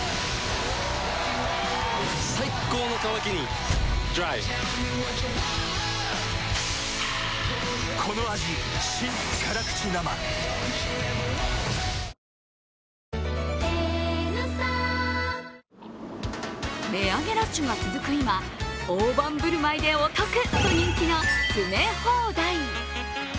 最高の渇きにＤＲＹ値上げラッシュが続く今、大盤振る舞いでお得と人気の詰め放題。